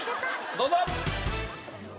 どうぞ！